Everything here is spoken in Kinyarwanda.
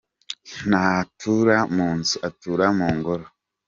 Ntatura mu nzu : Atura mu Ngoro.